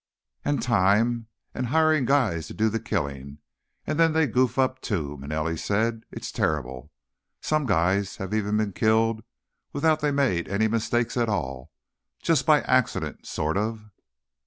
"And time, and hiring guys to do the killing, and then they goof up, too," Manelli said. "It's terrible. Some guys have even been killed without they made any mistakes at all. Just by accident, sort of."